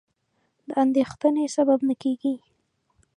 د اندېښنې سبب نه کېږي.